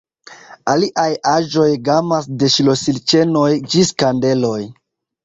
Aliaj aĵoj gamas de ŝlosilĉenoj ĝis kandeloj.